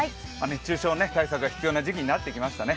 熱中症対策が必要な時期になってきましたね。